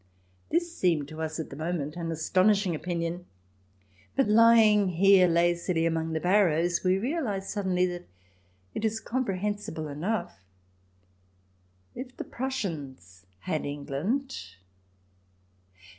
This seemed to us at the moment an astonishing opinion. But lying here lazily among the barrows we realize suddenly that it is comprehensible enough. If the Prussians had England.